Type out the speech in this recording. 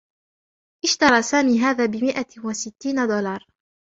اشترى سامي هذا بمئة و ستّين دولارا.